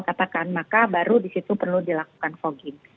katakan maka baru disitu perlu dilakukan fogging